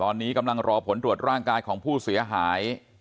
ตอนนี้กำลังรอผลตรวจร่างกายของผู้เสียหาย